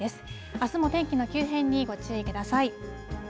あすも天気の急変にご注意ください。